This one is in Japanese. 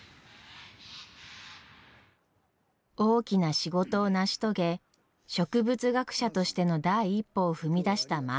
大きな仕事を成し遂げ植物学者としての第一歩を踏み出した万太郎は。